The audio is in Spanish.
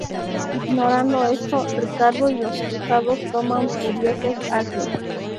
Ignorando esto, Ricardo y los cruzados toman furiosos Acre.